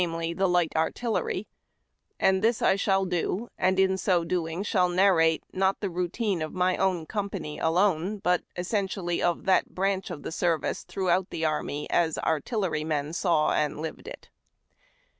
: the light A DAY IN CAMP. 165 artillery ; and this I shall do, and, in so doing, shall narrate not the routine of my own company alone, but essentially of that branch of the service throughout the army as artillery men saw and lived it.